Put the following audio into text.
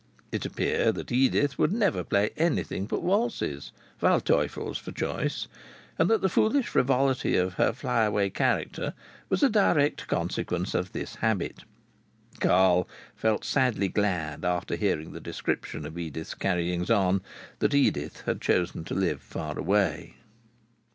It appeared that Edith would never play anything but waltzes Waldteufel's for choice and that the foolish frivolity of her flyaway character was a direct consequence of this habit. Carl felt sadly glad, after hearing the description of Edith's carryings on, that Edith had chosen to live far away.